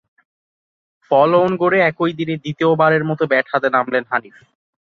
Follow-on গড়ে একই দিনে দ্বিতীয়বারের মতো ব্যাট হাতে মাঠে নামেন হানিফ।